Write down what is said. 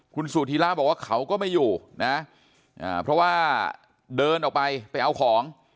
คุณสุธีระบอกว่าเขาก็ไม่อยู่นะเพราะว่าเดินออกไปไปเอาของ